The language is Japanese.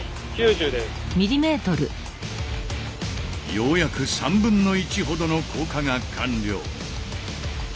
ようやく３分の１ほどの降下が完了。